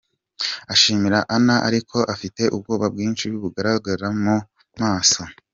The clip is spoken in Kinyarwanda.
Ashimira Anna ariko afite ubwoba bwinshi bunagaragara mu maso.